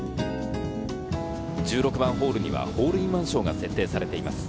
１６番ホールにはホールインワン賞が設定されています。